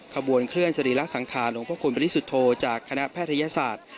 ขบวนเคลื่อนสรีระสังขารหลวงพระคุณบริสุทธโธจากคณะแพทยศาสตร์